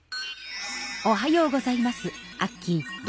おはようございますアッキー。